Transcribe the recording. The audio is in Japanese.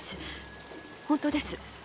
本当です！